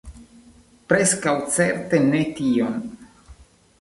Preskaŭ certe ne tion.